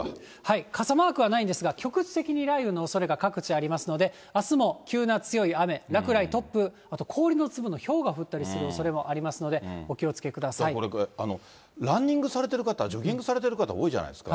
傘マークはないんですが、局地的に雷雨のおそれが、各地ありますので、あすも急な強い雨、落雷、突風、あと氷の粒のひょうが降ったりするおそれもありますので、お気をランニングされている方、ジョギングされてる方、多いじゃないですか。